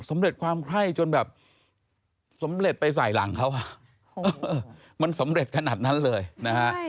สำเร็จความไคร้จนแบบสำเร็จไปใส่หลังเขามันสำเร็จขนาดนั้นเลยนะฮะ